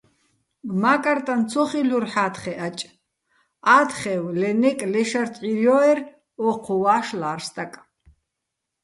მა́კარტაჼ ცო ხილ'ურ ჰ̦ა́თხეჸაჭ, ა́თხევ ლე ნეკ, ლე შალთ ჺირჲო́ერ, ო́ჴუვ ვა́შლა́რ სტაკ.